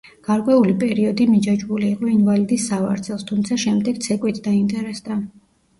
გარკვეული პერიოდი „მიჯაჭვული“ იყო ინვალიდის სავარძელს, თუმცა შემდეგ ცეკვით დაინტერესდა.